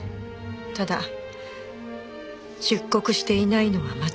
ただ出国していないのは間違いないと。